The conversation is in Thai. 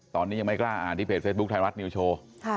ตอนนี้ยังไม่กล้าอ่านที่เพจเฟซบุ๊คไทยรัฐนิวโชว์